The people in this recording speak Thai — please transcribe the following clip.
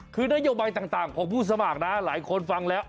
คือนโยบายต่างของผู้สมัครนะหลายคนฟังแล้ว